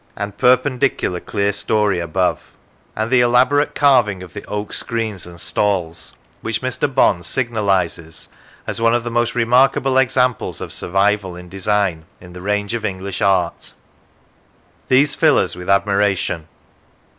and perpendicu lar clear story above: and the elaborate carving of the oak screens and stalls, which Mr. Bond signalises as " one of the most remarkable examples of survival in design in the range of English art": these fill us with admiration.